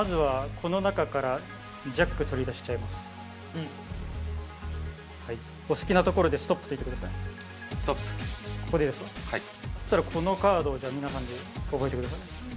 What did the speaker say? このカード皆さんで覚えてください。